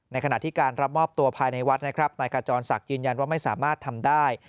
ขณะที่การรับมอบตัวภายในวัดนะครับนายขจรศักดิ์ยืนยันว่าไม่สามารถทำได้